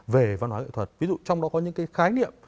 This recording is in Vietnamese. về văn hóa nghệ thuật ví dụ trong đó có những cái khái niệm